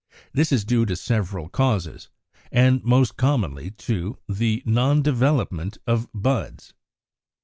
This is due to several causes, and most commonly to the 56. =Non development of buds.